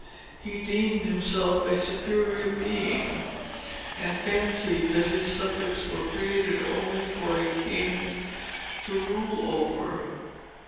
He deemed himself a superior being, and fancied that his subjects were created only for a king to rule over.